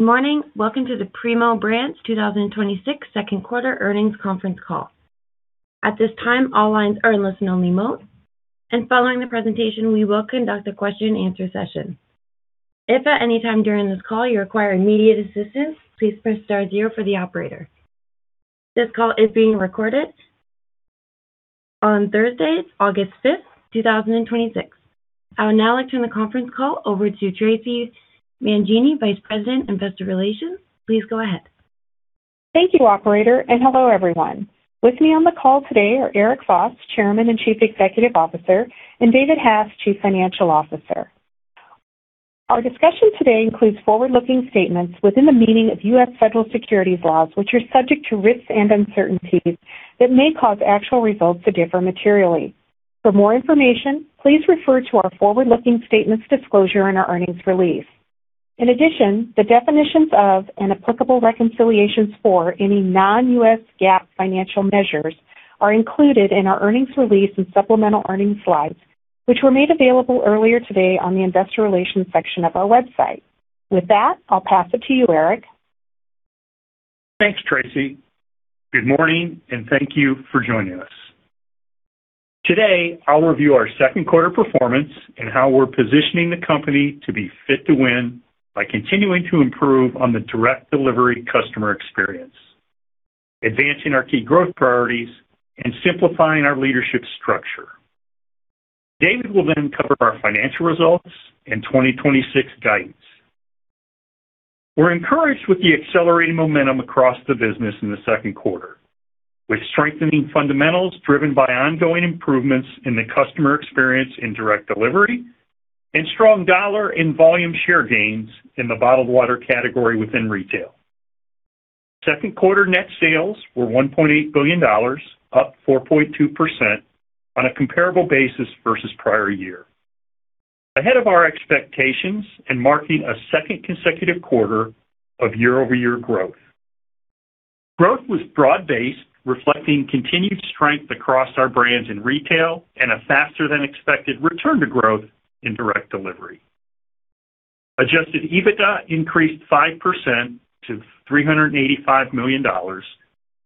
Morning. Welcome to the Primo Brands 2026 second quarter earnings conference call. At this time, all lines are in listen only mode, and following the presentation, we will conduct a question and answer session. If at any time during this call you require immediate assistance, please press star zero for the operator. This call is being recorded on Thursday, August 5, 2026. I will now turn the conference call over to Traci Mangini, Vice President, Investor Relations. Please go ahead. Thank you, operator, and hello, everyone. With me on the call today are Eric Foss, Chairman and Chief Executive Officer, and David Hass, Chief Financial Officer. Our discussion today includes forward-looking statements within the meaning of U.S. federal securities laws, which are subject to risks and uncertainties that may cause actual results to differ materially. For more information, please refer to our forward-looking statements disclosure in our earnings release. In addition, the definitions of and applicable reconciliations for any non-U.S. GAAP financial measures are included in our earnings release and supplemental earnings slides, which were made available earlier today on the investor relations section of our website. With that, I'll pass it to you, Eric. Thanks, Traci. Good morning and thank you for joining us. Today, I'll review our second quarter performance and how we're positioning the company to be fit to win by continuing to improve on the direct delivery customer experience, advancing our key growth priorities, and simplifying our leadership structure. David will cover our financial results and 2026 guidance. We're encouraged with the accelerating momentum across the business in the second quarter with strengthening fundamentals driven by ongoing improvements in the customer experience in direct delivery and strong dollar in volume share gains in the bottled water category within retail. Second quarter net sales were $1.8 billion, up 4.2% on a comparable basis versus prior year. Ahead of our expectations and marking a second consecutive quarter of year-over-year growth. Growth was broad-based, reflecting continued strength across our brands in retail and a faster than expected return to growth in direct delivery. Adjusted EBITDA increased 5% to $385 million,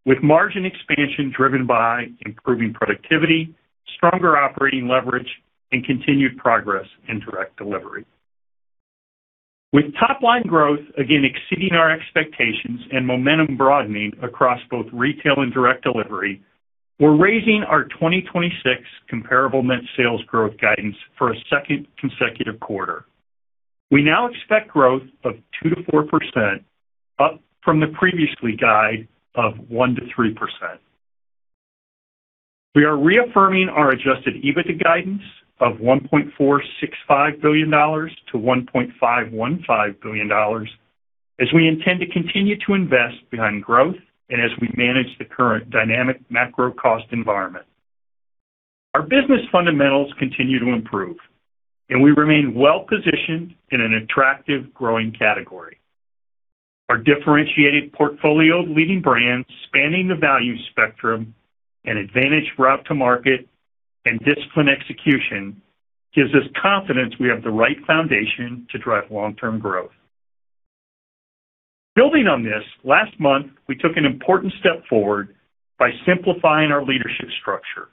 with margin expansion driven by improving productivity, stronger operating leverage, and continued progress in direct delivery. With top-line growth again exceeding our expectations and momentum broadening across both retail and direct delivery, we're raising our 2026 comparable net sales growth guidance for a second consecutive quarter. We now expect growth of 2%-4%, up from the previously guide of 1%-3%. We are reaffirming our adjusted EBITDA guidance of $1.465 billion-$1.515 billion as we intend to continue to invest behind growth and as we manage the current dynamic macro cost environment. Our business fundamentals continue to improve, and we remain well-positioned in an attractive growing category. Our differentiated portfolio of leading brands spanning the value spectrum and advantage route to market and disciplined execution gives us confidence we have the right foundation to drive long-term growth. Building on this, last month, we took an important step forward by simplifying our leadership structure.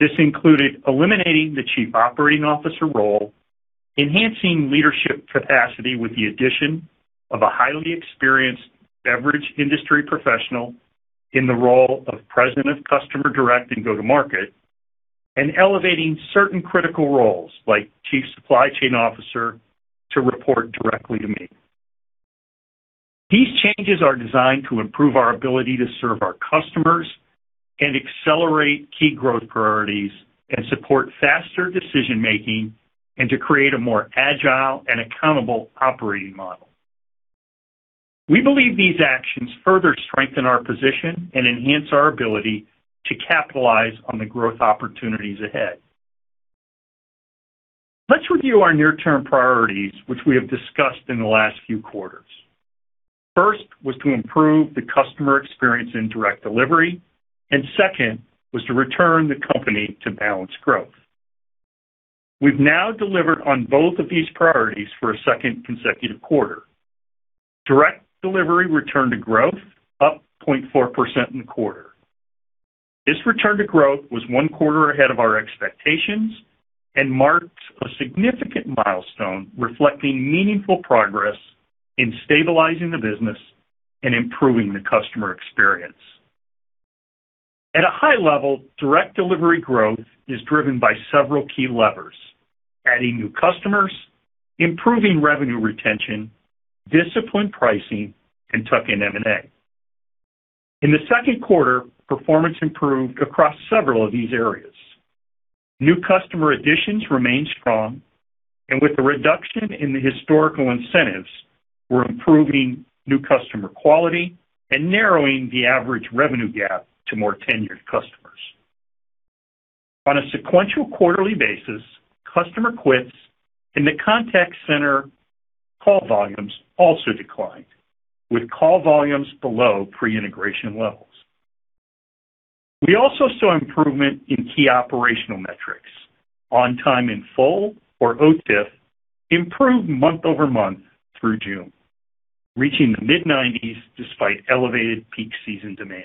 This included eliminating the Chief Operating Officer role, enhancing leadership capacity with the addition of a highly experienced beverage industry professional in the role of President of Customer Direct and Go-to-Market, and elevating certain critical roles like Chief Supply Chain Officer to report directly to me. These changes are designed to improve our ability to serve our customers and accelerate key growth priorities and support faster decision-making and to create a more agile and accountable operating model. We believe these actions further strengthen our position and enhance our ability to capitalize on the growth opportunities ahead. Let's review our near-term priorities, which we have discussed in the last few quarters. First was to improve the customer experience in direct delivery, second was to return the company to balanced growth. We've now delivered on both of these priorities for a second consecutive quarter. Direct delivery returned to growth, up 0.4% in the quarter. This return to growth was one quarter ahead of our expectations and marks a significant milestone reflecting meaningful progress in stabilizing the business and improving the customer experience. At a high level, direct delivery growth is driven by several key levers: adding new customers, improving revenue retention, disciplined pricing, and tuck-in M&A. In the second quarter, performance improved across several of these areas. New customer additions remained strong, and with the reduction in the historical incentives, we're improving new customer quality and narrowing the average revenue gap to more tenured customers. On a sequential quarterly basis, customer quits and the contact center call volumes also declined, with call volumes below pre-integration levels. We also saw improvement in key operational metrics. On time and full, or OTIF, improved month-over-month through June, reaching the mid-90s despite elevated peak season demand.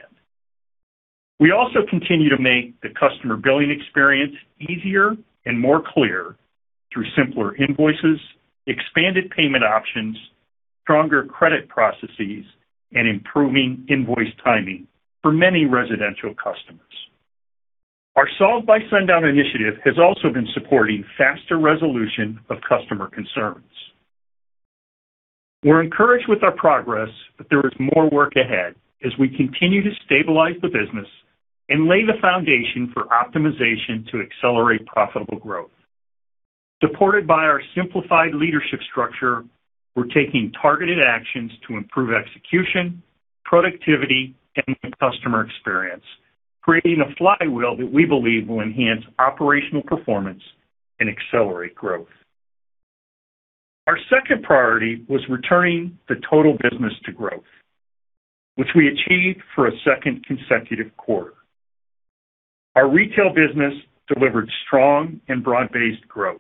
We also continue to make the customer billing experience easier and more clear through simpler invoices, expanded payment options, stronger credit processes, and improving invoice timing for many residential customers. Our Solve by Sundown initiative has also been supporting faster resolution of customer concerns. We're encouraged with our progress, there is more work ahead as we continue to stabilize the business and lay the foundation for optimization to accelerate profitable growth. Supported by our simplified leadership structure, we're taking targeted actions to improve execution, productivity, and the customer experience, creating a flywheel that we believe will enhance operational performance and accelerate growth. Our second priority was returning the total business to growth, which we achieved for a second consecutive quarter. Our retail business delivered strong and broad-based growth.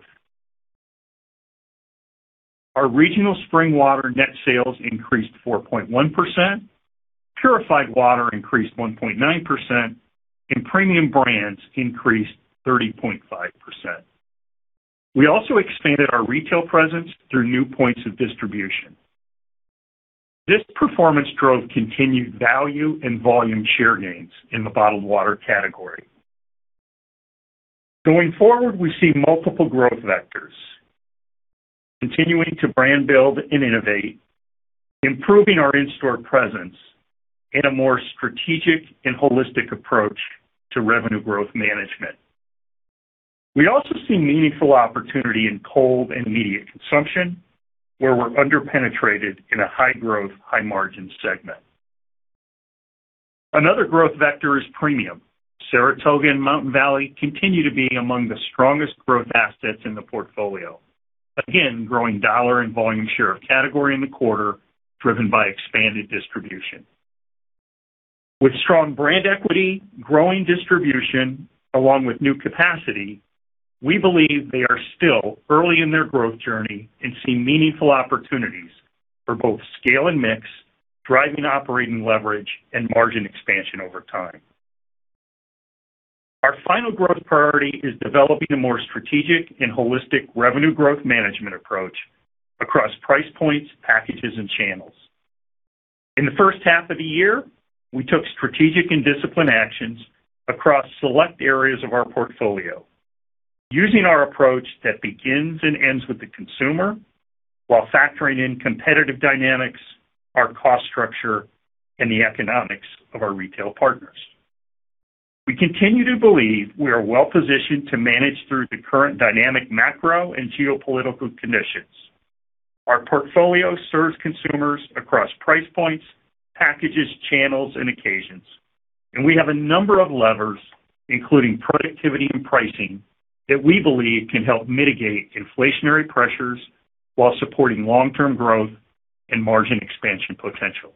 Our regional spring water net sales increased 4.1%, purified water increased 1.9%, and premium brands increased 30.5%. We also expanded our retail presence through new points of distribution. This performance drove continued value and volume share gains in the bottled water category. Going forward, we see multiple growth vectors: continuing to brand build and innovate, improving our in-store presence in a more strategic and holistic approach to revenue growth management. We also see meaningful opportunity in cold and immediate consumption, where we're under-penetrated in a high-growth, high-margin segment. Another growth vector is premium. Saratoga and Mountain Valley continue to be among the strongest growth assets in the portfolio, again, growing dollar and volume share of category in the quarter, driven by expanded distribution. With strong brand equity, growing distribution, along with new capacity, we believe they are still early in their growth journey and see meaningful opportunities for both scale and mix, driving operating leverage and margin expansion over time. Our final growth priority is developing a more strategic and holistic revenue growth management approach across price points, packages, and channels. In the first half of the year, we took strategic and disciplined actions across select areas of our portfolio using our approach that begins and ends with the consumer while factoring in competitive dynamics, our cost structure, and the economics of our retail partners. We continue to believe we are well-positioned to manage through the current dynamic macro and geopolitical conditions. Our portfolio serves consumers across price points, packages, channels, and occasions. We have a number of levers, including productivity and pricing, that we believe can help mitigate inflationary pressures while supporting long-term growth and margin expansion potential.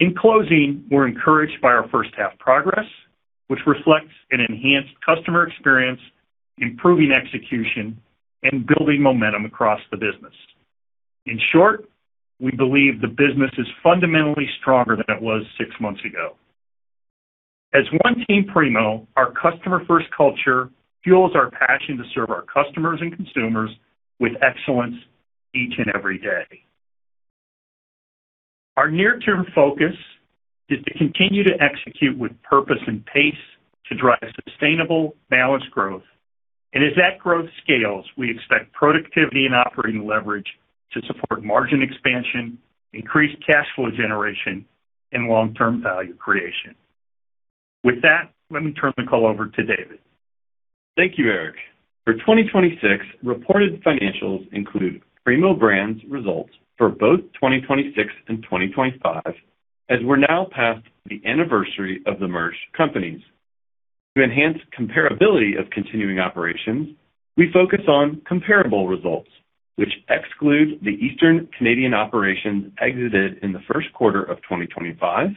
In closing, we're encouraged by our first half progress, which reflects an enhanced customer experience, improving execution, and building momentum across the business. In short, we believe the business is fundamentally stronger than it was six months ago. As One Team Primo, our customer-first culture fuels our passion to serve our customers and consumers with excellence each and every day. Our near-term focus is to continue to execute with purpose and pace to drive sustainable, balanced growth. As that growth scales, we expect productivity and operating leverage to support margin expansion, increased cash flow generation, and long-term value creation. With that, let me turn the call over to David. Thank you, Eric. For 2026, reported financials include Primo Brands results for both 2026 and 2025, as we're now past the anniversary of the merged companies. To enhance comparability of continuing operations, we focus on comparable results, which exclude the Eastern Canadian operations exited in the first quarter of 2025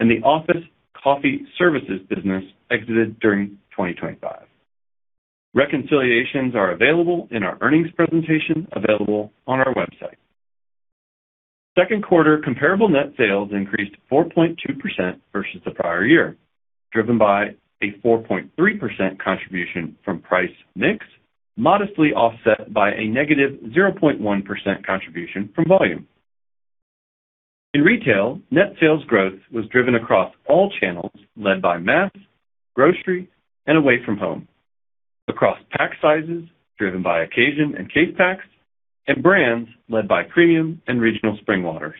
and the office coffee services business exited during 2025. Reconciliations are available in our earnings presentation available on our website. Second quarter comparable net sales increased 4.2% versus the prior year, driven by a 4.3% contribution from price mix, modestly offset by a -0.1% contribution from volume. In retail, net sales growth was driven across all channels, led by mass, grocery, and away from home. Across pack sizes, driven by occasion and case packs, and brands, led by premium and regional spring waters.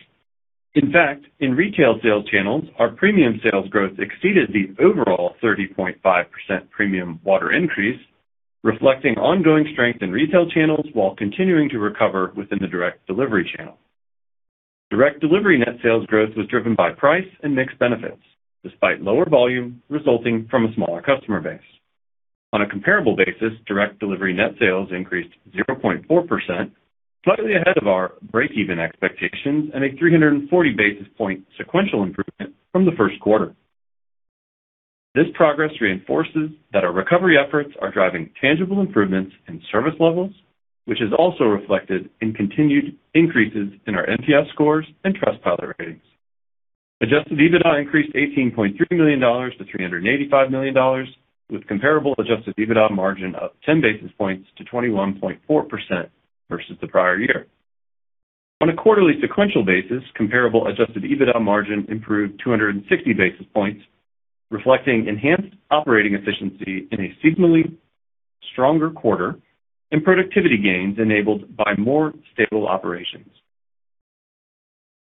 In fact, in retail sales channels, our premium sales growth exceeded the overall 30.5% premium water increase, reflecting ongoing strength in retail channels while continuing to recover within the direct delivery channel. Direct delivery net sales growth was driven by price and mix benefits, despite lower volume resulting from a smaller customer base. On a comparable basis, direct delivery net sales increased 0.4%, slightly ahead of our breakeven expectations and a 340 basis point sequential improvement from the first quarter. This progress reinforces that our recovery efforts are driving tangible improvements in service levels, which is also reflected in continued increases in our NPS scores and Trustpilot ratings. Adjusted EBITDA increased $18.3 million to $385 million, with comparable adjusted EBITDA margin up 10 basis points to 21.4% versus the prior year. On a quarterly sequential basis, comparable adjusted EBITDA margin improved 260 basis points, reflecting enhanced operating efficiency in a seasonally stronger quarter and productivity gains enabled by more stable operations.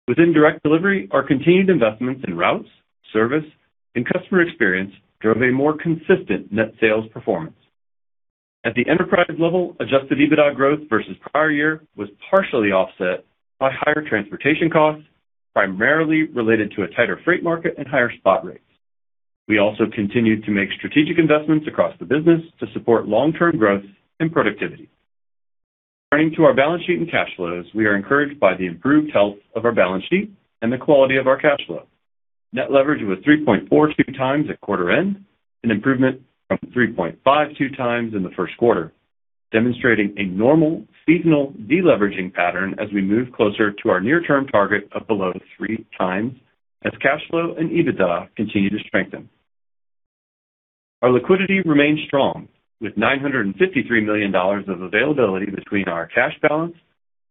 Within direct delivery, our continued investments in routes, service, and customer experience drove a more consistent net sales performance. At the enterprise level, adjusted EBITDA growth versus prior year was partially offset by higher transportation costs, primarily related to a tighter freight market and higher spot rates. We also continued to make strategic investments across the business to support long-term growth and productivity. Turning to our balance sheet and cash flows, we are encouraged by the improved health of our balance sheet and the quality of our cash flow. Net leverage was 3.42x at quarter end, an improvement from 3.52x in the first quarter, demonstrating a normal seasonal deleveraging pattern as we move closer to our near-term target of below 3x as cash flow and EBITDA continue to strengthen. Our liquidity remains strong, with $953 million of availability between our cash balance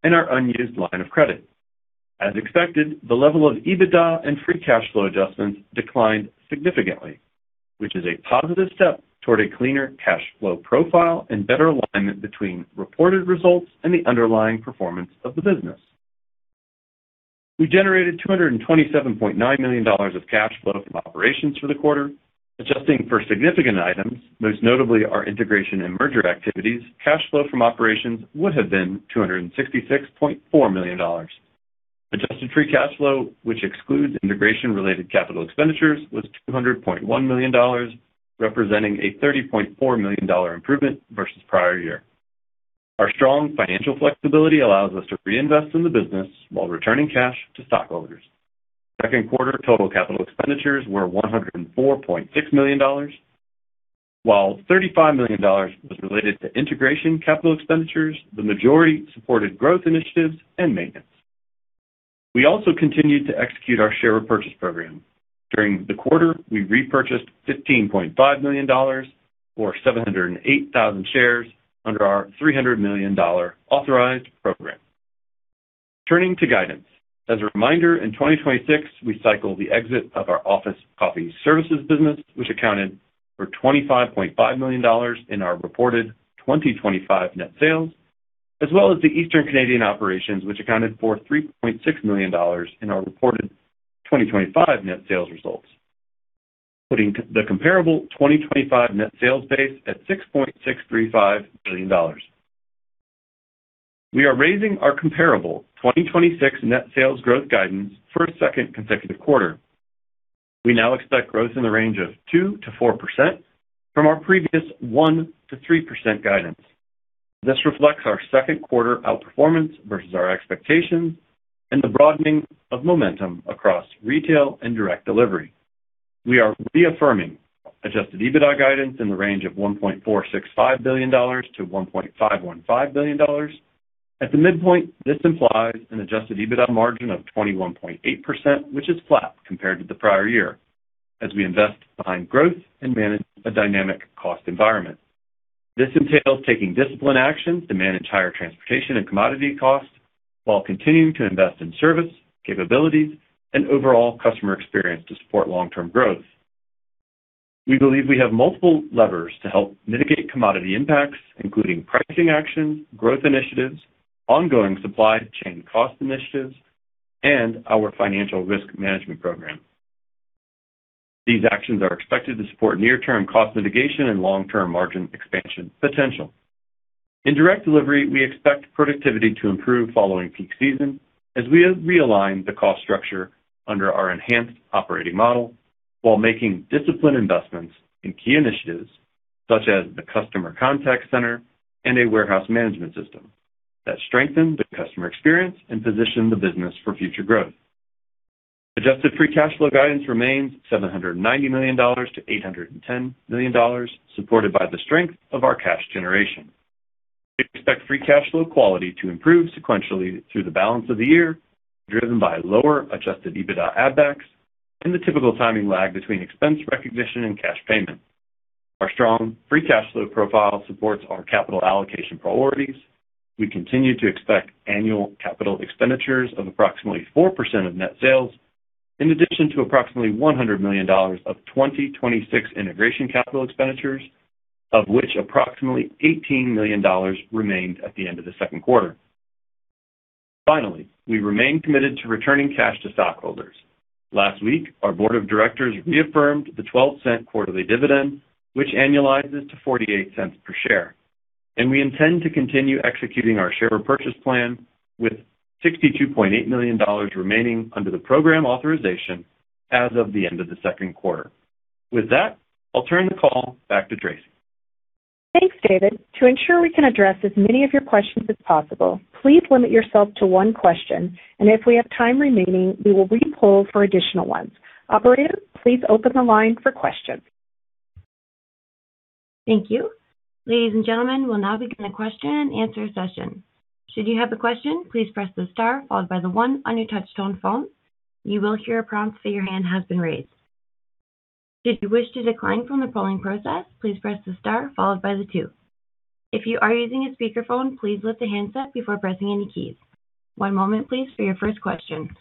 and our unused line of credit. As expected, the level of EBITDA and free cash flow adjustments declined significantly, which is a positive step toward a cleaner cash flow profile and better alignment between reported results and the underlying performance of the business. We generated $227.9 million of cash flow from operations for the quarter. Adjusting for significant items, most notably our integration and merger activities, cash flow from operations would have been $266.4 million. Adjusted free cash flow, which excludes integration related capital expenditures, was $200.1 million, representing a $30.4 million improvement versus prior year. Our strong financial flexibility allows us to reinvest in the business while returning cash to stockholders. Second quarter total capital expenditures were $104.6 million. While $35 million was related to integration capital expenditures, the majority supported growth initiatives and maintenance. We also continued to execute our share repurchase program. During the quarter, we repurchased $15.5 million, or 708,000 shares under our $300 million authorized program. Turning to guidance. As a reminder, in 2026, we cycle the exit of our office coffee services business, which accounted for $25.5 million in our reported 2025 net sales, as well as the Eastern Canadian operations, which accounted for $3.6 million in our reported 2025 net sales results, putting the comparable 2025 net sales base at $6.635 billion. We are raising our comparable 2026 net sales growth guidance for a second consecutive quarter. We now expect growth in the range of 2%-4% from our previous 1%-3% guidance. This reflects our second quarter outperformance versus our expectations and the broadening of momentum across retail and direct delivery. We are reaffirming adjusted EBITDA guidance in the range of $1.465 billion-$1.515 billion. At the midpoint, this implies an adjusted EBITDA margin of 21.8%, which is flat compared to the prior year, as we invest behind growth and manage a dynamic cost environment. This entails taking disciplined actions to manage higher transportation and commodity costs while continuing to invest in service, capabilities, and overall customer experience to support long-term growth. We believe we have multiple levers to help mitigate commodity impacts, including pricing actions, growth initiatives, ongoing supply chain cost initiatives, and our financial risk management program. These actions are expected to support near-term cost mitigation and long-term margin expansion potential. In direct delivery, we expect productivity to improve following peak season as we realign the cost structure under our enhanced operating model while making disciplined investments in key initiatives such as the customer contact center and a warehouse management system that strengthen the customer experience and position the business for future growth. Adjusted free cash flow guidance remains $790 million-$810 million, supported by the strength of our cash generation. We expect free cash flow quality to improve sequentially through the balance of the year, driven by lower adjusted EBITDA add backs and the typical timing lag between expense recognition and cash payment. Our strong free cash flow profile supports our capital allocation priorities. We continue to expect annual capital expenditures of approximately 4% of net sales, in addition to approximately $100 million of 2026 integration capital expenditures, of which approximately $18 million remained at the end of the second quarter. We remain committed to returning cash to stockholders. Last week, our Board of Directors reaffirmed the $0.12 quarterly dividend, which annualizes to $0.48 per share. We intend to continue executing our share repurchase plan with $62.8 million remaining under the program authorization as of the end of the second quarter. With that, I'll turn the call back to Traci. Thanks, David. To ensure we can address as many of your questions as possible, please limit yourself to one question, and if we have time remaining, we will re-poll for additional ones. Operator, please open the line for questions. Thank you. Ladies and gentlemen, we'll now begin the question and answer session. Should you have a question, please press the star followed by the one on your touch-tone phone. You will hear a prompt that your hand has been raised. Should you wish to decline from the polling process, please press the star followed by the two. If you are using a speakerphone, please lift the handset before pressing any keys. One moment, please, for your first question.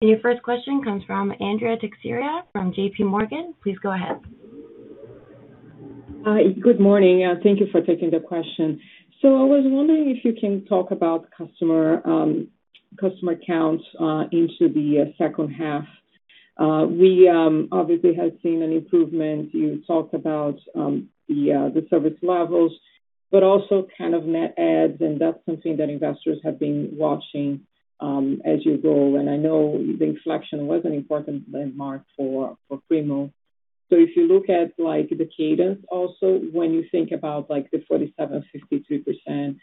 Your first question comes from Andrea Teixeira from JPMorgan. Please go ahead. Hi. Good morning. Thank you for taking the question. I was wondering if you can talk about customer counts into the second half. We obviously have seen an improvement. You talked about the service levels, but also kind of net adds, and that's something that investors have been watching as you go. I know the inflection was an important landmark for Primo. If you look at the cadence also, when you think about the 47%-52%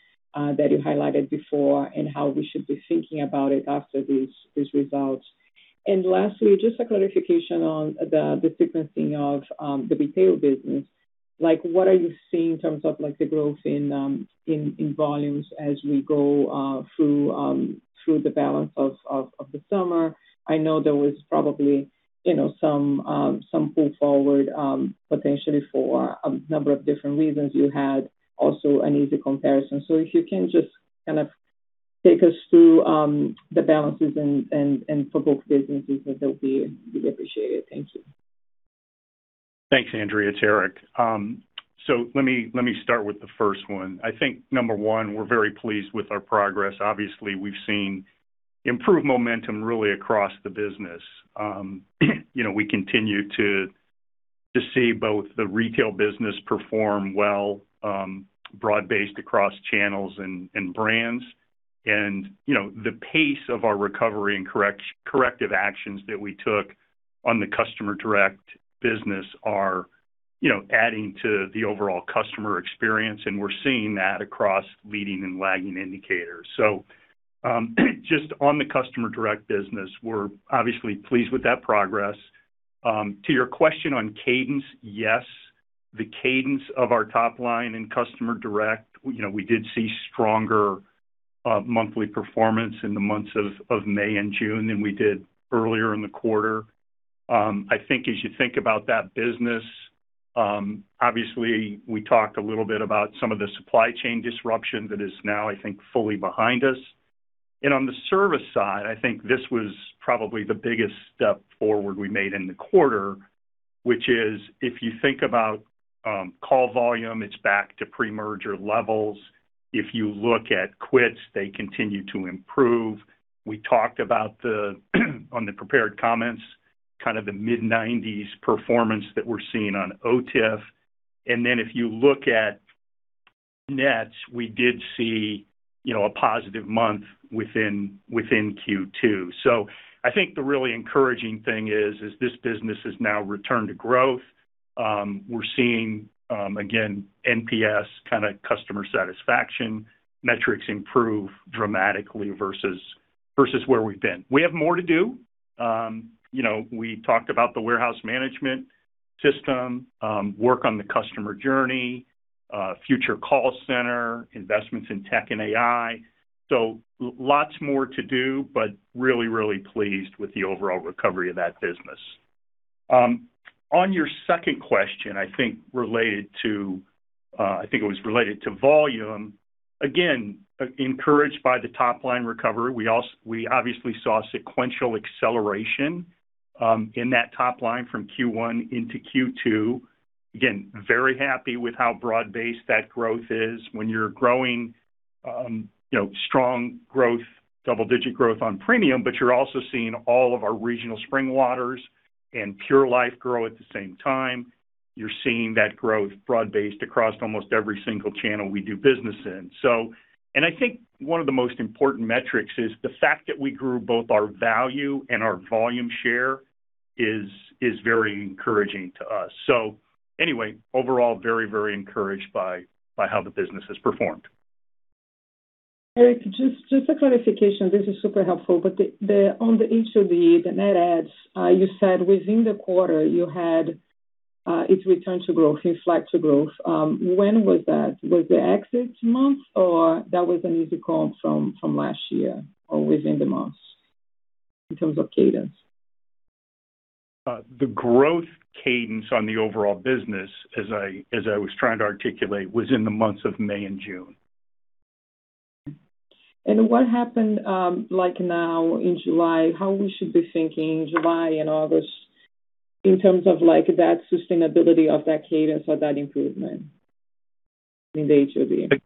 that you highlighted before and how we should be thinking about it after these results. Lastly, just a clarification on the sequencing of the retail business. What are you seeing in terms of the growth in volumes as we go through the balance of the summer? I know there was probably some pull forward, potentially for a number of different reasons. You had also an easy comparison. If you can just kind of take us through the balances and for both businesses, that would be appreciated. Thank you. Thanks, Andrea. It's Eric. Let me start with the first one. I think number one, we're very pleased with our progress. Obviously, we've seen improved momentum really across the business. We continue to see both the retail business perform well broad-based across channels and brands. The pace of our recovery and corrective actions that we took on the customer direct business are adding to the overall customer experience, and we're seeing that across leading and lagging indicators. Just on the customer direct business, we're obviously pleased with that progress. To your question on cadence, yes. The cadence of our top line in customer direct, we did see stronger monthly performance in the months of May and June than we did earlier in the quarter. I think as you think about that business, obviously we talked a little bit about some of the supply chain disruption that is now, I think, fully behind us. On the service side, I think this was probably the biggest step forward we made in the quarter, which is, if you think about call volume, it's back to pre-merger levels. If you look at quits, they continue to improve. We talked about the, on the prepared comments, kind of the mid-90s performance that we're seeing on OTIF. If you look at nets, we did see a positive month within Q2. I think the really encouraging thing is this business has now returned to growth. We're seeing, again, NPS kind of customer satisfaction metrics improve dramatically versus where we've been. We have more to do. We talked about the warehouse management system, work on the customer journey, future call center, investments in tech and AI. Lots more to do, but really, really pleased with the overall recovery of that business. On your second question, I think it was related to volume. Encouraged by the top-line recovery. We obviously saw sequential acceleration in that top line from Q1 into Q2. Very happy with how broad-based that growth is. When you're growing strong growth, double-digit growth on premium, but you're also seeing all of our regional spring waters and Pure Life grow at the same time. You're seeing that growth broad-based across almost every single channel we do business in. I think one of the most important metrics is the fact that we grew both our value and our volume share is very encouraging to us. Anyway, overall, very encouraged by how the business has performed. Eric, just a clarification. This is super helpful. On the HOD, the net adds, you said within the quarter you had it's returned to growth, reflect to growth. When was that? Was the exit month, or that was an easy comp from last year or within the month in terms of cadence? The growth cadence on the overall business, as I was trying to articulate, was in the months of May and June. What happened, like now in July? How we should be thinking in July and August in terms of that sustainability of that cadence or that improvement in the HOD?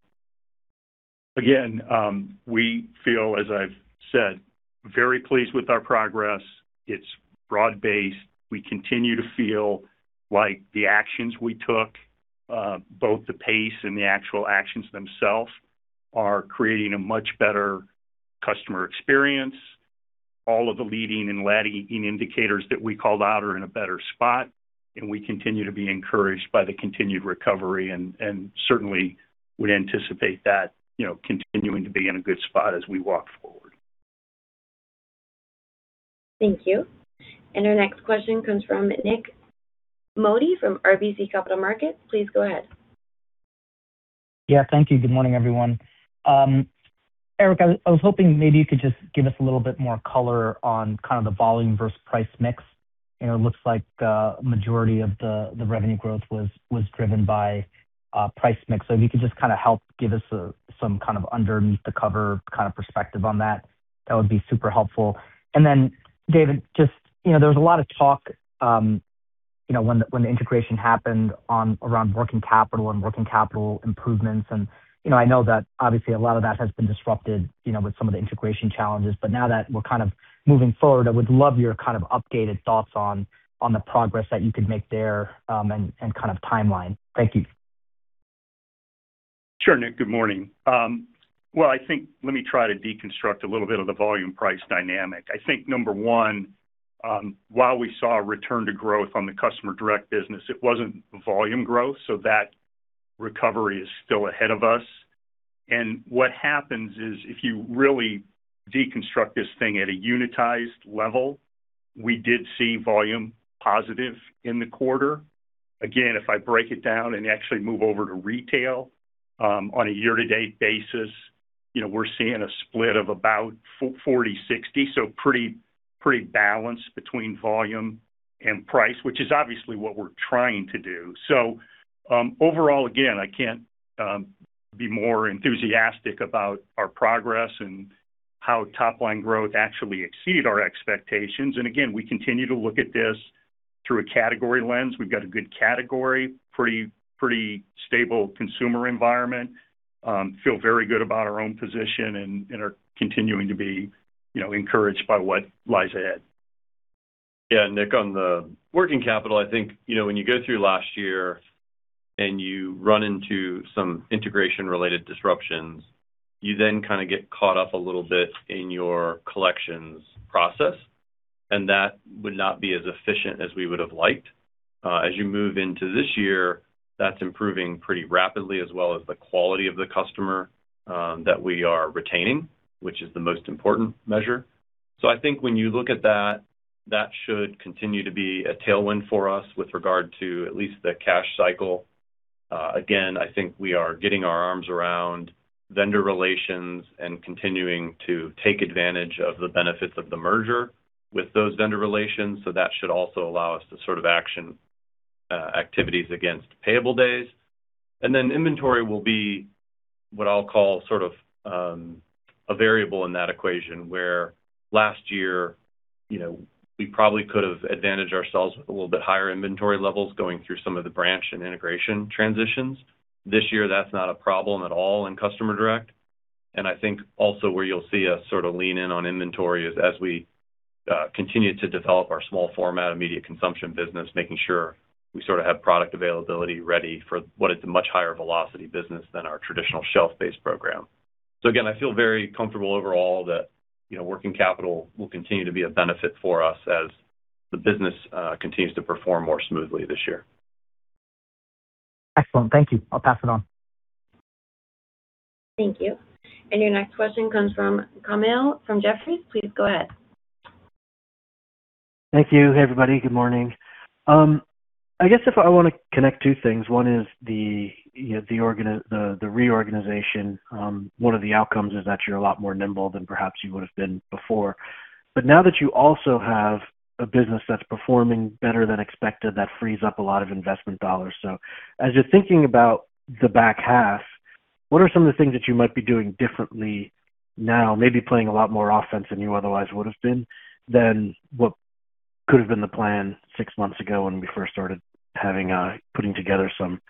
We feel, as I've said, very pleased with our progress. It's broad-based. We continue to feel like the actions we took, both the pace and the actual actions themselves, are creating a much better customer experience. All of the leading and lagging indicators that we called out are in a better spot, and we continue to be encouraged by the continued recovery and certainly would anticipate that continuing to be in a good spot as we walk forward. Thank you. Our next question comes from Nik Modi from RBC Capital Markets. Please go ahead. Yeah, thank you. Good morning, everyone. Eric, I was hoping maybe you could just give us a little bit more color on kind of the volume versus price mix. It looks like the majority of the revenue growth was driven by price mix. If you could just kind of help give us some kind of underneath the cover kind of perspective on that would be super helpful. David, there was a lot of talk when the integration happened around working capital and working capital improvements. I know that obviously a lot of that has been disrupted with some of the integration challenges. Now that we're kind of moving forward, I would love your kind of updated thoughts on the progress that you could make there, and kind of timeline. Thank you. Sure, Nik. Good morning. Let me try to deconstruct a little bit of the volume price dynamic. I think number one, while we saw a return to growth on the customer-direct business, it wasn't volume growth, so that recovery is still ahead of us. What happens is if you really deconstruct this thing at a unitized level, we did see volume positive in the quarter. Again, if I break it down and actually move over to retail, on a year-to-date basis, we're seeing a split of about 40/60. Pretty balanced between volume and price, which is obviously what we're trying to do. Overall, again, I can't be more enthusiastic about our progress and how top-line growth actually exceeded our expectations. Again, we continue to look at this through a category lens. We've got a good category, pretty stable consumer environment. Feel very good about our own position and are continuing to be encouraged by what lies ahead. Yeah, Nik, on the working capital, I think when you go through last year and you run into some integration-related disruptions, you then kind of get caught up a little bit in your collections process, that would not be as efficient as we would have liked. As you move into this year, that's improving pretty rapidly, as well as the quality of the customer that we are retaining, which is the most important measure. I think when you look at that should continue to be a tailwind for us with regard to at least the cash cycle. Again, I think we are getting our arms around vendor relations and continuing to take advantage of the benefits of the merger with those vendor relations. That should also allow us to sort of action activities against payable days. Inventory will be what I'll call sort of a variable in that equation, where last year we probably could have advantaged ourselves with a little bit higher inventory levels going through some of the branch and integration transitions. This year, that's not a problem at all in customer direct. I think also where you'll see us sort of lean in on inventory is as we continue to develop our small format immediate consumption business, making sure we sort of have product availability ready for what is a much higher velocity business than our traditional shelf-based program. Again, I feel very comfortable overall that working capital will continue to be a benefit for us as the business continues to perform more smoothly this year. Excellent. Thank you. I'll pass it on. Thank you. Your next question comes from Kaumil from Jefferies. Please go ahead. Thank you. Hey, everybody. Good morning. I guess I want to connect two things. One is the reorganization. One of the outcomes is that you're a lot more nimble than perhaps you would have been before. Now that you also have a business that's performing better than expected, that frees up a lot of investment dollars. As you're thinking about the back half, what are some of the things that you might be doing differently now, maybe playing a lot more offense than you otherwise would have been, than what could have been the plan six months ago when we first started putting together some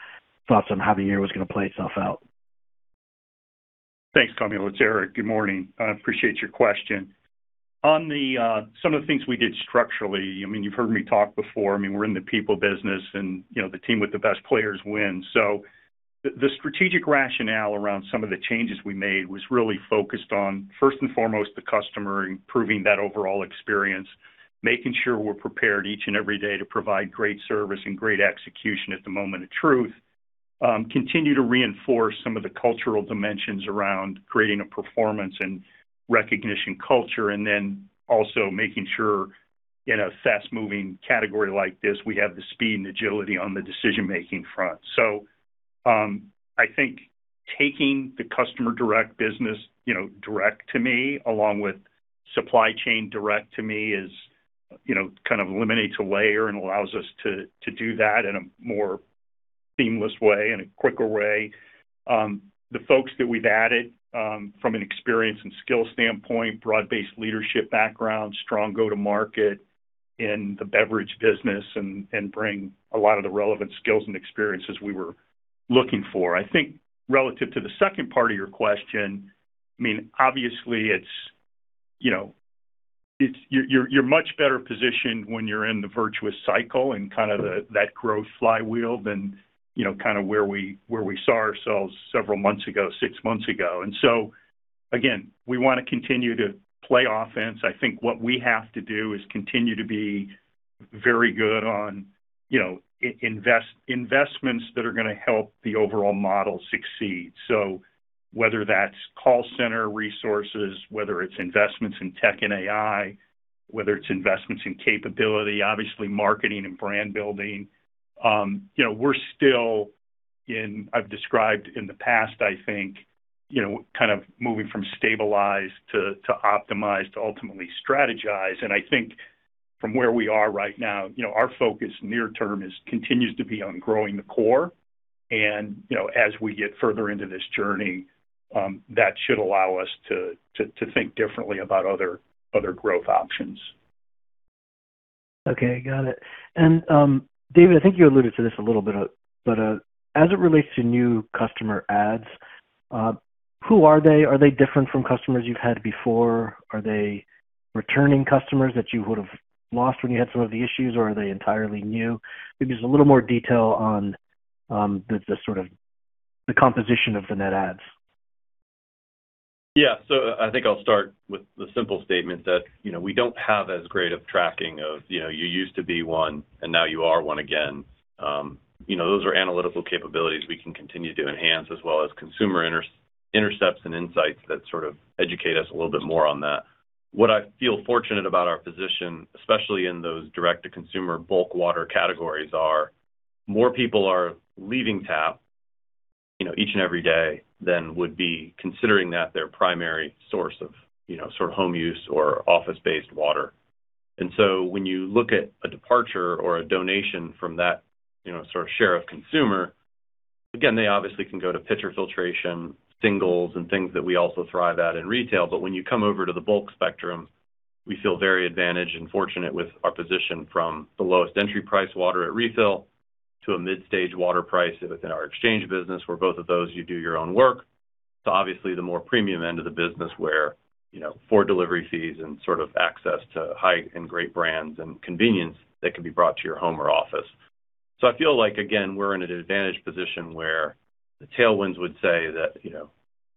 thoughts on how the year was going to play itself out? Thanks, Kaumil. It's Eric. Good morning. I appreciate your question. On some of the things we did structurally, you've heard me talk before. We're in the people business, and the team with the best players win. The strategic rationale around some of the changes we made was really focused on, first and foremost, the customer, improving that overall experience, making sure we're prepared each and every day to provide great service and great execution at the moment of truth. Continue to reinforce some of the cultural dimensions around creating a performance and recognition culture, also making sure in a fast-moving category like this, we have the speed and agility on the decision-making front. I think taking the customer-direct business direct to me, along with supply chain direct to me kind of eliminates a layer and allows us to do that in a more seamless way and a quicker way. The folks that we've added from an experience and skill standpoint, broad-based leadership background, strong go-to-market in the beverage business and bring a lot of the relevant skills and experiences we were looking for. I think relative to the second part of your question, obviously, you're much better positioned when you're in the virtuous cycle and kind of that growth flywheel than where we saw ourselves several months ago, six months ago. Again, we want to continue to play offense. I think what we have to do is continue to be very good on investments that are going to help the overall model succeed. Whether that's call center resources, whether it's investments in tech and AI, whether it's investments in capability, obviously marketing and brand building. We're still in, I've described in the past, I think, kind of moving from stabilize to optimize to ultimately strategize. I think from where we are right now, our focus near term continues to be on growing the core. As we get further into this journey, that should allow us to think differently about other growth options. Okay, got it. David, I think you alluded to this a little bit, but as it relates to new customer adds, who are they? Are they different from customers you've had before? Are they returning customers that you would've lost when you had some of the issues, or are they entirely new? Maybe just a little more detail on the sort of the composition of the net adds. I think I'll start with the simple statement that we don't have as great of tracking of, you used to be one and now you are one again. Those are analytical capabilities we can continue to enhance as well as consumer intercepts and insights that sort of educate us a little bit more on that. What I feel fortunate about our position, especially in those direct-to-consumer bulk water categories, are more people are leaving tap each and every day than would be considering that their primary source of home use or office-based water. When you look at a departure or a donation from that sort of share of consumer, again, they obviously can go to pitcher filtration, singles, and things that we also thrive at in retail. When you come over to the bulk spectrum, we feel very advantaged and fortunate with our position from the lowest entry price water at refill to a mid-stage water price within our exchange business, where both of those you do your own work, to obviously the more premium end of the business where for delivery fees and sort of access to height and great brands and convenience that can be brought to your home or office. I feel like, again, we're in an advantaged position where the tailwinds would say that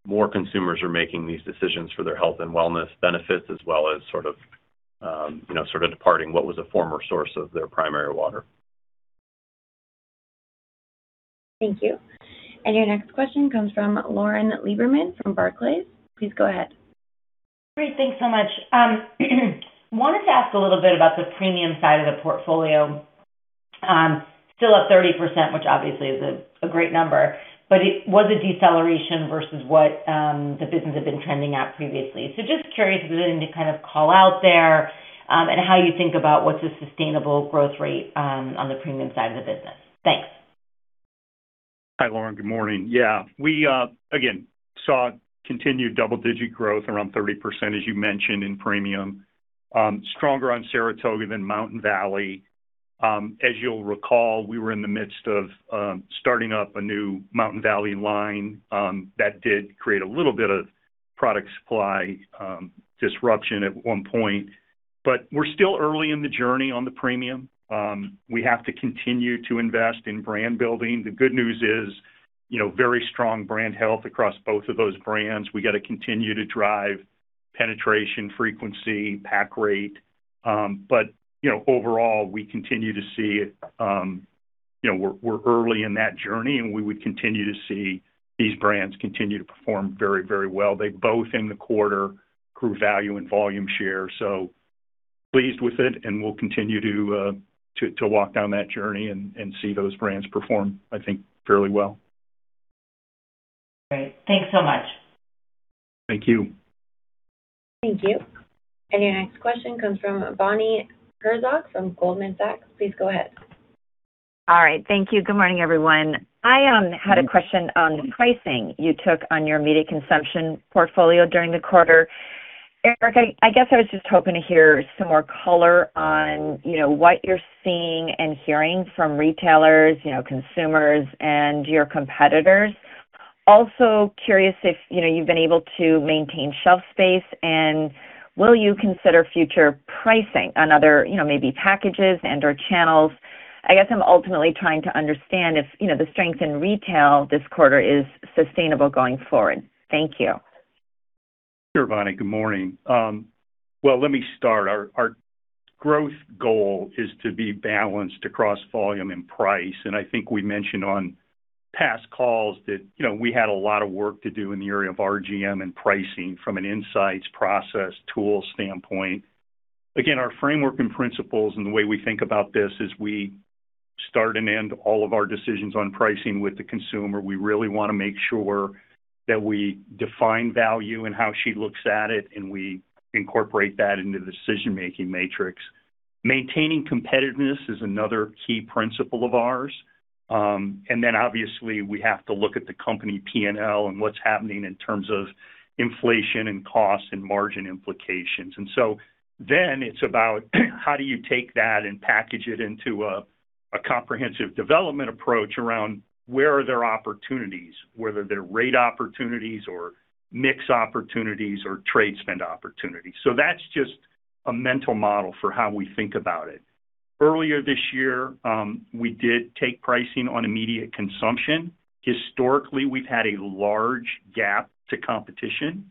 more consumers are making these decisions for their health and wellness benefits as well as sort of departing what was a former source of their primary water. Thank you. Your next question comes from Lauren Lieberman from Barclays. Please go ahead. Great. Thanks so much. Wanted to ask a little bit about the premium side of the portfolio. Still up 30%, which obviously is a great number, but it was a deceleration versus what the business had been trending at previously. Just curious if there's anything to kind of call out there, and how you think about what's a sustainable growth rate on the premium side of the business. Thanks. Hi, Lauren. Good morning. We, again, saw continued double-digit growth, around 30%, as you mentioned, in premium. Stronger on Saratoga than Mountain Valley. As you'll recall, we were in the midst of starting up a new Mountain Valley line. That did create a little bit of product supply disruption at one point. We're still early in the journey on the premium. We have to continue to invest in brand building. The good news is very strong brand health across both of those brands. We got to continue to drive penetration, frequency, pack rate. Overall, we continue to see it. We're early in that journey, and we would continue to see these brands continue to perform very well. They both, in the quarter, grew value and volume share. Pleased with it, and we'll continue to walk down that journey and see those brands perform, I think, fairly well. Great. Thanks so much. Thank you. Thank you. Your next question comes from Bonnie Herzog from Goldman Sachs. Please go ahead. All right. Thank you. Good morning, everyone. I had a question on the pricing you took on your immediate consumption portfolio during the quarter. Eric, I guess I was just hoping to hear some more color on what you're seeing and hearing from retailers, consumers, and your competitors. Also curious if you've been able to maintain shelf space. Will you consider future pricing on other maybe packages and/or channels? I guess I'm ultimately trying to understand if the strength in retail this quarter is sustainable going forward. Thank you. Sure, Bonnie. Good morning. Well, let me start. Our growth goal is to be balanced across volume and price. I think we mentioned on past calls that we had a lot of work to do in the area of RGM and pricing from an insights, process, tool standpoint. Again, our framework and principles and the way we think about this is we start and end all of our decisions on pricing with the consumer. We really want to make sure that we define value and how she looks at it, and we incorporate that into the decision-making matrix. Maintaining competitiveness is another key principle of ours. Obviously, we have to look at the company P&L and what's happening in terms of inflation and cost and margin implications. It's about how do you take that and package it into a comprehensive development approach around where are there opportunities, whether they're rate opportunities or mix opportunities or trade spend opportunities. That's just a mental model for how we think about it. Earlier this year, we did take pricing on immediate consumption. Historically, we've had a large gap to competition.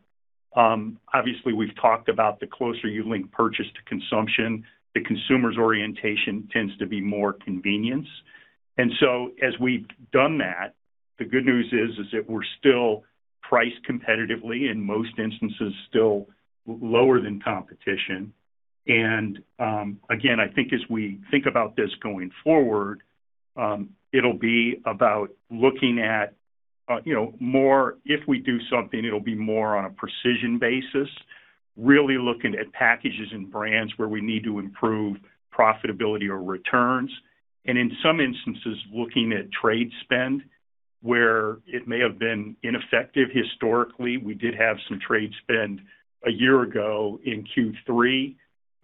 Obviously, we've talked about the closer you link purchase to consumption, the consumer's orientation tends to be more convenience. As we've done that, the good news is that we're still priced competitively, in most instances, still lower than competition. Again, I think as we think about this going forward, it'll be about looking at if we do something, it'll be more on a precision basis, really looking at packages and brands where we need to improve profitability or returns. In some instances, looking at trade spend, where it may have been ineffective historically. We did have some trade spend a year ago in Q3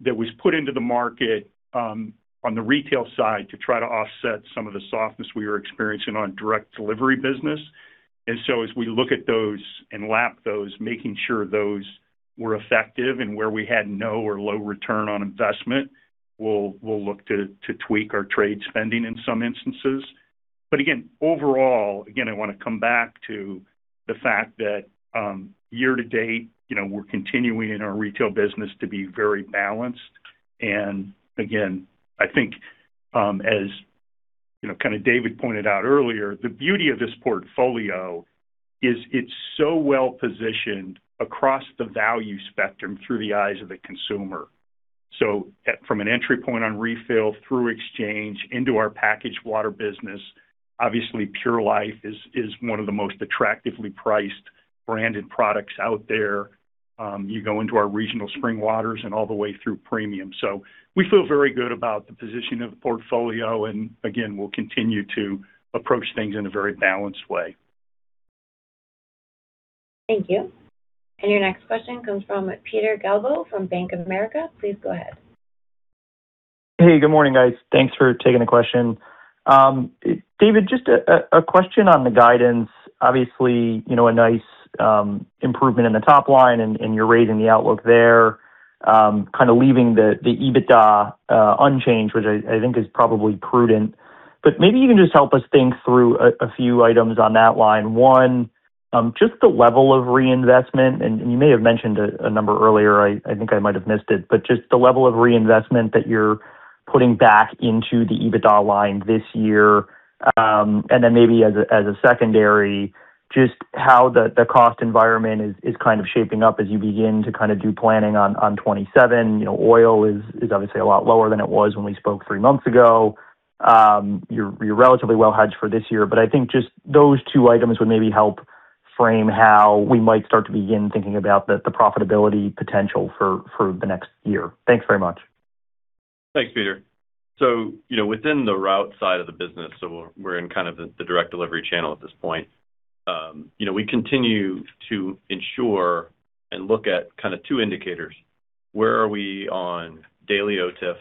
that was put into the market on the retail side to try to offset some of the softness we were experiencing on direct delivery business. As we look at those and lap those, making sure those were effective and where we had no or low return on investment, we will look to tweak our trade spending in some instances. But again, overall, again, I want to come back to the fact that year-to-date, we are continuing in our retail business to be very balanced. Again, I think, as David pointed out earlier, the beauty of this portfolio is it is so well-positioned across the value spectrum through the eyes of the consumer. From an entry point on refill through exchange into our packaged water business, obviously Pure Life is one of the most attractively priced branded products out there. You go into our regional spring waters and all the way through premium. We feel very good about the position of the portfolio, and again, we will continue to approach things in a very balanced way. Thank you. Your next question comes from Peter Galbo from Bank of America. Please go ahead. Hey, good morning, guys. Thanks for taking the question. David, just a question on the guidance. Obviously, a nice improvement in the top line, and you are raising the outlook there, kind of leaving the EBITDA unchanged, which I think is probably prudent. But maybe you can just help us think through a few items on that line. One, just the level of reinvestment, and you may have mentioned a number earlier, I think I might have missed it, but just the level of reinvestment that you are putting back into the EBITDA line this year. Then maybe as a secondary, just how the cost environment is kind of shaping up as you begin to do planning on 2027. Oil is obviously a lot lower than it was when we spoke three months ago. You're relatively well hedged for this year, I think just those two items would maybe help frame how we might start to begin thinking about the profitability potential for the next year. Thanks very much. Thanks, Peter. Within the route side of the business, so we're in kind of the direct delivery channel at this point. We continue to ensure and look at kind of two indicators. Where are we on daily OTIF,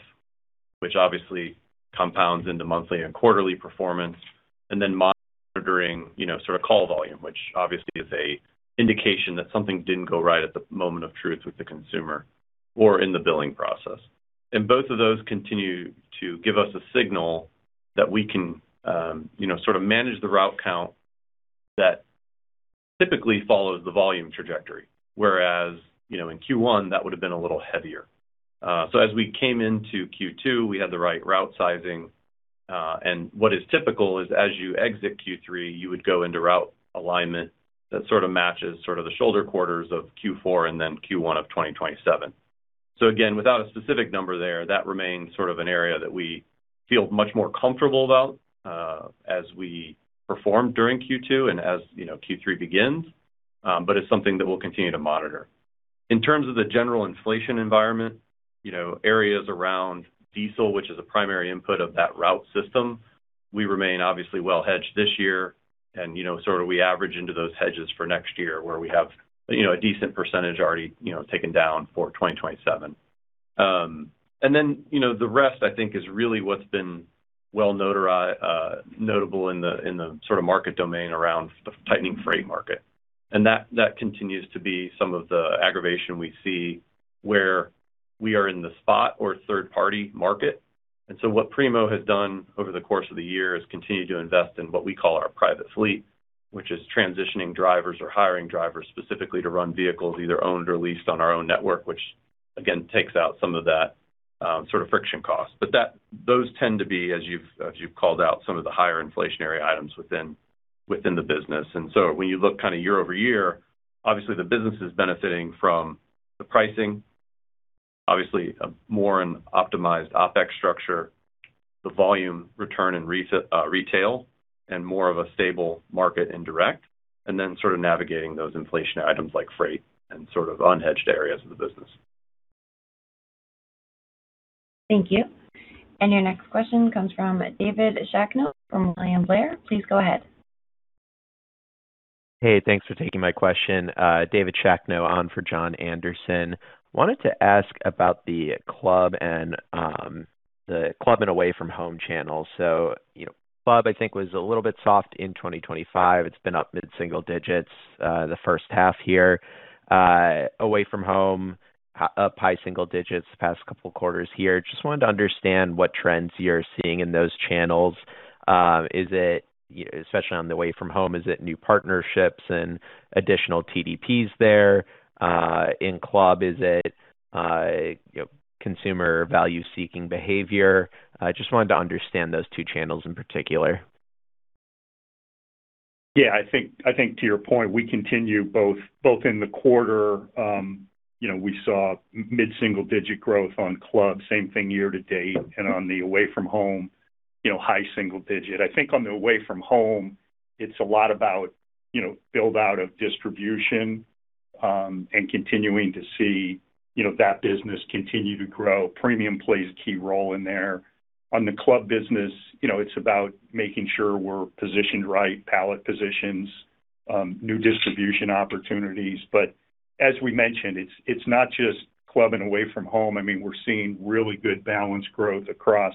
which obviously compounds into monthly and quarterly performance, and then monitoring call volume, which obviously is a indication that something didn't go right at the moment of truth with the consumer or in the billing process. Both of those continue to give us a signal that we can manage the route count that typically follows the volume trajectory. Whereas, in Q1, that would've been a little heavier. As we came into Q2, we had the right route sizing. What is typical is as you exit Q3, you would go into route alignment that sort of matches the shoulder quarters of Q4 and then Q1 of 2027. Again, without a specific number there, that remains sort of an area that we feel much more comfortable about as we perform during Q2 and as Q3 begins. It's something that we'll continue to monitor. In terms of the general inflation environment, areas around diesel, which is a primary input of that route system, we remain obviously well hedged this year, and we average into those hedges for next year where we have a decent percentage already taken down for 2027. The rest I think is really what's been well notable in the market domain around the tightening freight market. That continues to be some of the aggravation we see where we are in the spot or third-party market. What Primo has done over the course of the year is continue to invest in what we call our private fleet, which is transitioning drivers or hiring drivers specifically to run vehicles either owned or leased on our own network, which again takes out some of that friction cost. Those tend to be, as you've called out, some of the higher inflationary items within the business. When you look year-over-year, obviously the business is benefiting from the pricing, obviously a more optimized OpEx structure, the volume return in retail and more of a stable market in direct, and then sort of navigating those inflationary items like freight and unhedged areas of the business. Thank you. Your next question comes from David Shakno from William Blair. Please go ahead. Hey, thanks for taking my question. David Shakno on for Jon Andersen. Wanted to ask about the club and away from home channels. Club, I think, was a little bit soft in 2025. It's been up mid-single digits the first half here. Away from home, up high single digits the past couple of quarters here. Just wanted to understand what trends you're seeing in those channels. Especially on the away from home, is it new partnerships and additional TDPs there? In club, is it consumer value-seeking behavior? Just wanted to understand those two channels in particular. Yeah, I think to your point, we continue both in the quarter, we saw mid-single digit growth on club, same thing year-to-date. On the away from home, high single digit. I think on the away from home, it's a lot about build-out of distribution, and continuing to see that business continue to grow. Premium plays a key role in there. On the club business, it's about making sure we're positioned right, pallet positions, new distribution opportunities. As we mentioned, it's not just club and away from home. We're seeing really good balanced growth across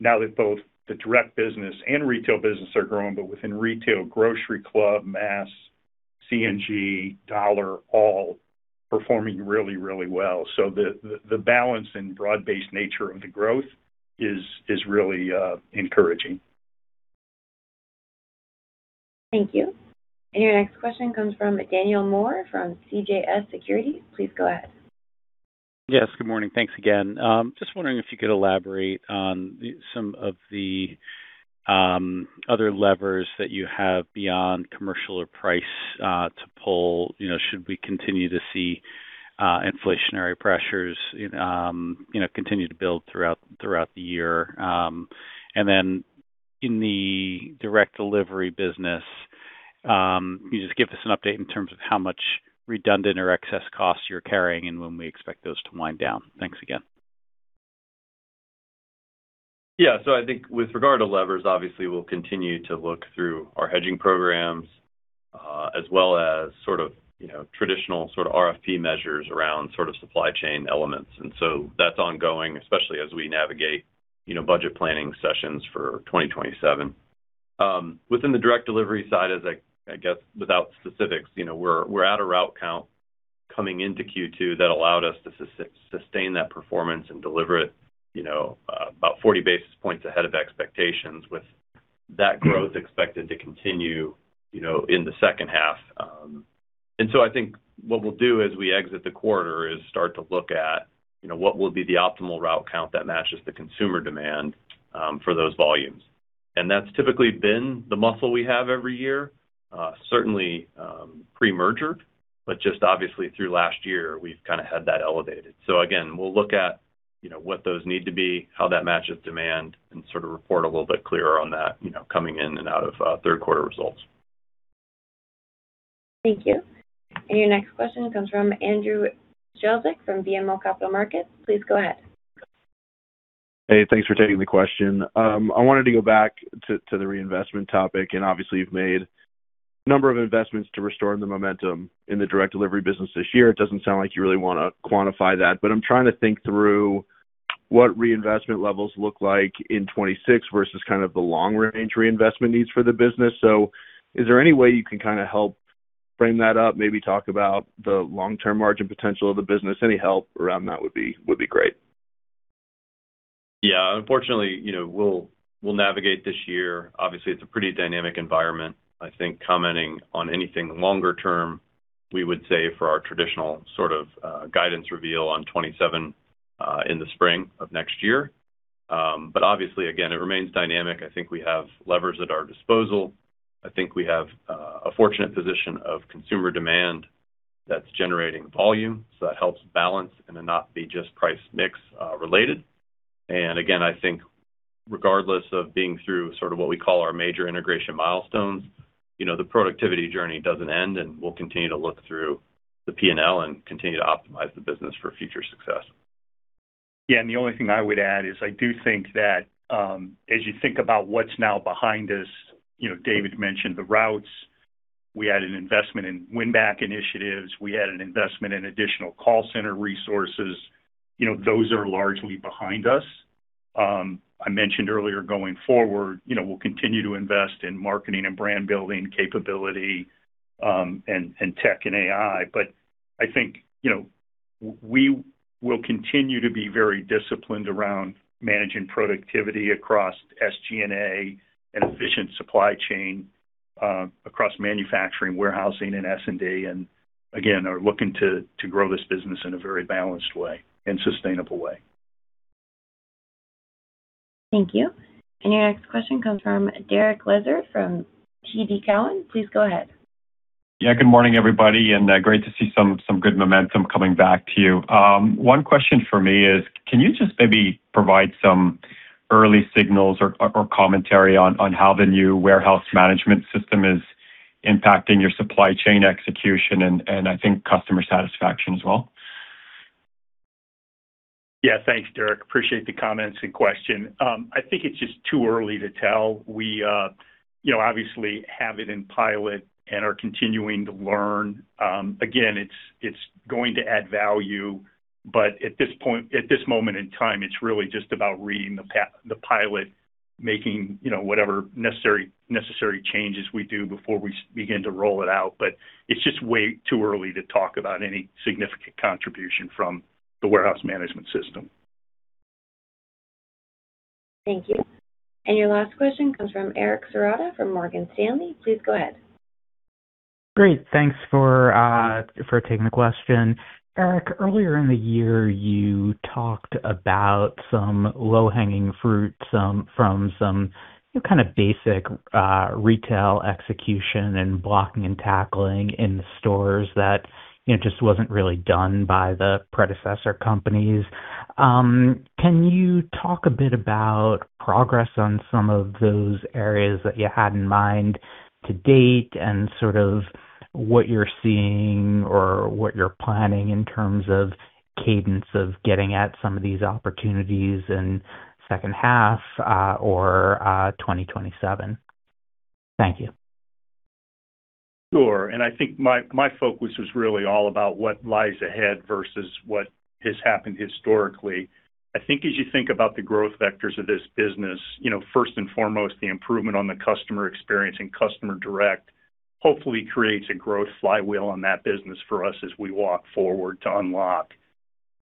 now that both the direct business and retail business are growing, but within retail, grocery, club, mass, C&G, dollar, all performing really well. The balance and broad-based nature of the growth is really encouraging. Thank you. Your next question comes from Daniel Moore from CJS Securities. Please go ahead. Yes, good morning. Thanks again. Just wondering if you could elaborate on some of the other levers that you have beyond commercial or price to pull, should we continue to see inflationary pressures continue to build throughout the year. Then in the direct delivery business, can you just give us an update in terms of how much redundant or excess costs you're carrying and when we expect those to wind down? Thanks again. I think with regard to levers, obviously, we'll continue to look through our hedging programs, as well as traditional sort of RFP measures around supply chain elements. That's ongoing, especially as we navigate budget planning sessions for 2027. Within the direct delivery side, I guess, without specifics, we're at a route count coming into Q2 that allowed us to sustain that performance and deliver it about 40 basis points ahead of expectations, with that growth expected to continue in the second half. I think what we'll do as we exit the quarter is start to look at what will be the optimal route count that matches the consumer demand for those volumes. That's typically been the muscle we have every year. Certainly pre-merger, but just obviously through last year, we've kind of had that elevated. Again, we'll look at what those need to be, how that matches demand, and sort of report a little bit clearer on that coming in and out of third quarter results. Thank you. Your next question comes from Andrew Strelzik from BMO Capital Markets. Please go ahead. Hey, thanks for taking the question. I wanted to go back to the reinvestment topic. Obviously, you've made a number of investments to restoring the momentum in the direct delivery business this year. It doesn't sound like you really want to quantify that. I'm trying to think through what reinvestment levels look like in 2026 versus kind of the long-range reinvestment needs for the business. Is there any way you can kind of help frame that up, maybe talk about the long-term margin potential of the business? Any help around that would be great. Yeah. Unfortunately, we'll navigate this year. Obviously, it's a pretty dynamic environment. I think commenting on anything longer term, we would say for our traditional sort of guidance reveal on 2027 in the spring of next year. Obviously, again, it remains dynamic. I think we have levers at our disposal. I think we have a fortunate position of consumer demand that's generating volume. That helps balance and to not be just price mix related. Again, I think regardless of being through sort of what we call our major integration milestones, the productivity journey doesn't end. We'll continue to look through the P&L and continue to optimize the business for future success. Yeah, the only thing I would add is I do think that as you think about what's now behind us, David mentioned the routes. We had an investment in win-back initiatives. We had an investment in additional call center resources. Those are largely behind us. I mentioned earlier going forward, we'll continue to invest in marketing and brand-building capability, and tech and AI. I think we will continue to be very disciplined around managing productivity across SG&A and efficient supply chain across manufacturing, warehousing, and S&D. Again, are looking to grow this business in a very balanced way and sustainable way. Thank you. Your next question comes from Derek Lessard from TD Cowen. Please go ahead. Yeah, good morning, everybody, and great to see some good momentum coming back to you. One question for me is, can you just maybe provide some early signals or commentary on how the new warehouse management system is impacting your supply chain execution and I think customer satisfaction as well? Yeah. Thanks, Derek. Appreciate the comments and question. I think it's just too early to tell. We obviously have it in pilot and are continuing to learn. It's going to add value, at this moment in time, it's really just about reading the pilot, making whatever necessary changes we do before we begin to roll it out. It's just way too early to talk about any significant contribution from the warehouse management system. Thank you. Your last question comes from Eric Serotta from Morgan Stanley. Please go ahead. Great. Thanks for taking the question. Eric, earlier in the year, you talked about some low-hanging fruit from some kind of basic retail execution and blocking and tackling in the stores that just wasn't really done by the predecessor companies. Can you talk a bit about progress on some of those areas that you had in mind to date, and sort of what you're seeing or what you're planning in terms of cadence of getting at some of these opportunities in second half or 2027? Thank you. Sure. I think my focus was really all about what lies ahead versus what has happened historically. I think as you think about the growth vectors of this business, first and foremost, the improvement on the customer experience and customer direct hopefully creates a growth flywheel on that business for us as we walk forward to unlock.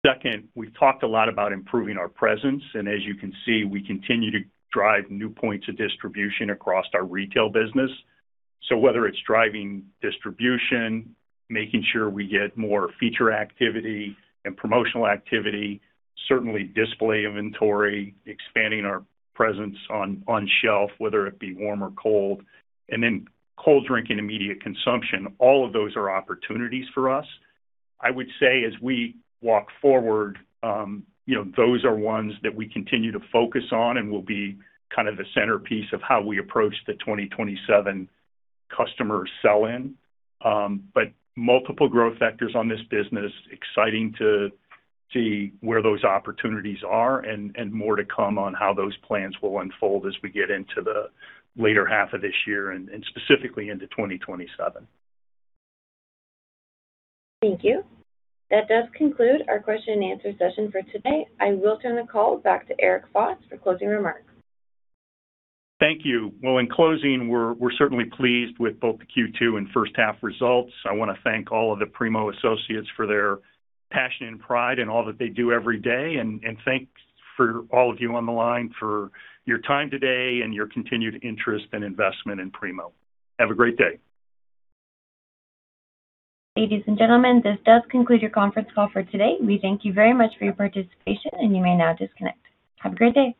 Second, we've talked a lot about improving our presence. As you can see, we continue to drive new points of distribution across our retail business. Whether it's driving distribution, making sure we get more feature activity and promotional activity, certainly display inventory, expanding our presence on shelf, whether it be warm or cold, and then cold drink and immediate consumption, all of those are opportunities for us. I would say as we walk forward, those are ones that we continue to focus on and will be kind of the centerpiece of how we approach the 2027 customer sell-in. Multiple growth vectors on this business. Exciting to see where those opportunities are and more to come on how those plans will unfold as we get into the later half of this year, and specifically into 2027. Thank you. That does conclude our question and answer session for today. I will turn the call back to Eric Foss for closing remarks. Thank you. Well, in closing, we're certainly pleased with both the Q2 and first half results. I want to thank all of the Primo associates for their passion and pride in all that they do every day, and thank for all of you on the line for your time today and your continued interest and investment in Primo. Have a great day. Ladies and gentlemen, this does conclude your conference call for today. We thank you very much for your participation, and you may now disconnect. Have a great day.